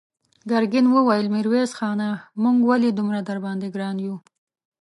ګرګين وويل: ميرويس خانه! موږ ولې دومره درباندې ګران يو؟